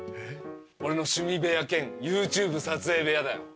俺の趣味部屋兼ＹｏｕＴｕｂｅ撮影部屋だよ。